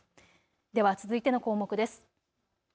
では続いての項目です。